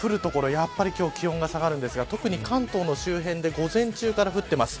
やっぱり今日気温が下がるんですが特に関東の周辺で午前中から降っています。